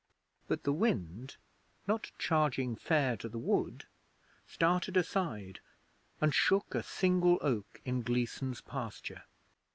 But the wind, not charging fair to the wood, started aside and shook a single oak in Gleason's pasture.